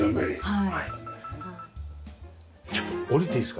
はい。